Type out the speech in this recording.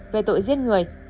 về tội giết người